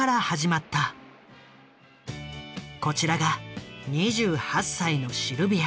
こちらが２８歳のシルビア。